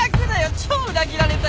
超裏切られたよ！